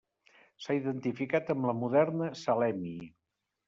S'ha identificat amb la moderna Salemi.